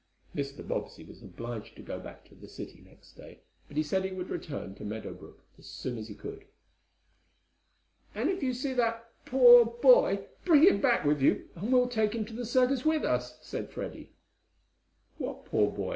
Mr. Bobbsey was obliged to go back to the city next day, but he said he would return to Meadow Brook as soon as he could. "And if you see that poor boy, bring him back with you, and we'll take him to the circus with us," said Freddie. "What poor boy?"